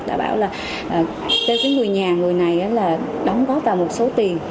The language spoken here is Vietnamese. đã bảo là theo người nhà người này đóng góp vào một số tiền